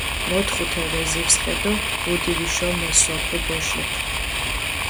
მოთხუ თე ვეზირს ხე დო დუდი ვიშო მესოფუ ბოშიქ.